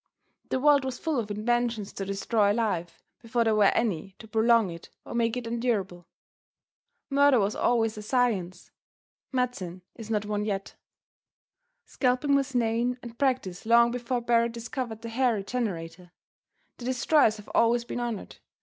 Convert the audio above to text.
The world was full of inventions to destroy life before there were any to prolong it or make it endurable. Murder was always a science medicine is not one yet. Scalping was known and practiced long before Barret discovered the Hair Regenerator. The destroyers have always been honored.